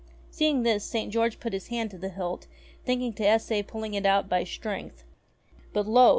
Seeing this St. George put his hand to the hilt thinking to essay pulling it out by strength ; but lo